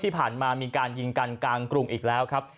ที่ผ่านมามีการยิงกันกลางกรุงอีกแล้วครับ